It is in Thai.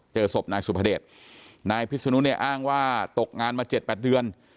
เจอศพนายสุภเดชนายพิศนุเนี่ยอ้างว่าตกงานมา๗๘เดือน